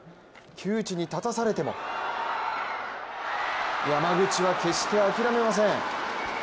窮地に立たされても山口は決して諦めません。